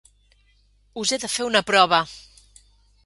Us he de fer una prova.